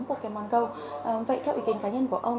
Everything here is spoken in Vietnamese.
vậy theo ý kiến cá nhân của ông